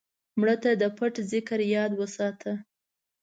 مړه ته د پټ ذکر یاد وساته